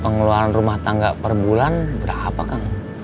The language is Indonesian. pengeluaran rumah tangga per bulan berapa kang